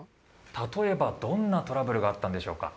・例えばどんなトラブルがあったんでしょうか？